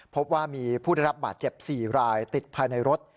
พบว่ามีผู้ได้รับบาดเจ็บ๔รายติดภายในรถ